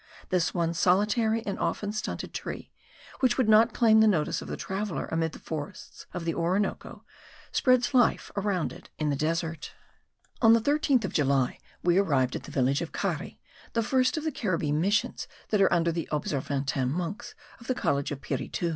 This one solitary and often stunted tree, which would not claim the notice of the traveller amid the forests of the Orinoco, spreads life around it in the desert. On the 13th of July we arrived at the village of Cari, the first of the Caribbee missions that are under the Observantin monks of the college of Piritu.